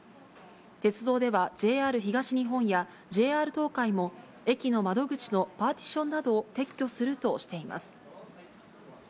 鉄道では、ＪＲ東日本やＪＲ東海も、駅の窓口のパーティションなどを撤去するとしています。